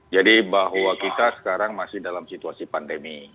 jadi bahwa kita sekarang masih dalam situasi pandemi